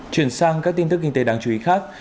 chuyển sang các tin tức kinh tế đáng chú ý khác